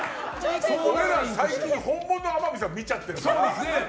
最近本物の天海さん見ちゃってるから。